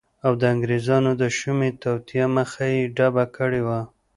او د انګریزانو د شومی توطیه مخه یی ډبه کړی وه